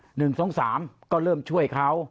หนึ่งสองสามก็เริ่มช่วยเขา